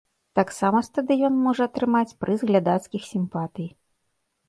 Таксама стадыён можа атрымаць прыз глядацкіх сімпатый.